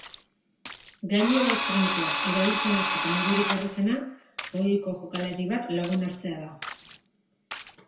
Gailu elektronikoak erabiltzen hasteko modurik errazena ohiko jokalari bat lagun hartzea da.